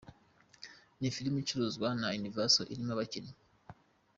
Ni filime icuruzwa na Universal, irimo abakinnyi